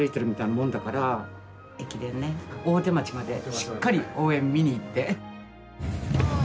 駅伝ね、大手町までしっかり応援見に行って。